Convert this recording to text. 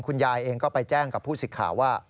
คุณยายเองก็ไปแจ้งกับผู้สิทธิ์ข่าวว่า